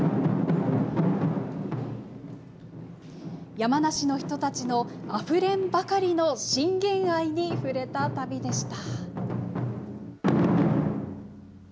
山梨の人たちのあふれんばかりの信玄愛に触れた旅でした。